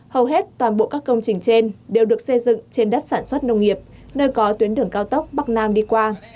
hầu hết toàn bộ các công trình trên đều được xây dựng trên đất sản xuất nông nghiệp nơi có tuyến đường cao tốc bắc nam đi qua